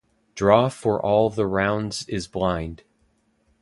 Draw for all the rounds is blind.